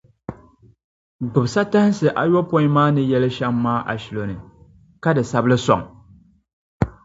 Gbibi satahinsi ayopɔin maa ni yɛli shɛm maa ashilɔni, ka di sabi li sɔŋ!